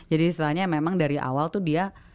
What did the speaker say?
jadi setelahnya memang dari awal tuh dia